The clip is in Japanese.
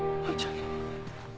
杏ちゃん。